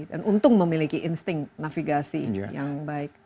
dan untung memiliki insting navigasi yang baik